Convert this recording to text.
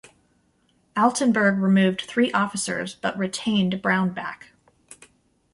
Altenburg removed three officers but retained Brownback.